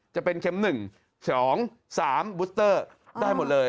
จะเป็นเข็ม๑๒๓บูสเตอร์ได้หมดเลย